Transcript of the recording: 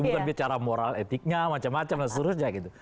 bukan bicara moral etiknya macam macam dan sebagainya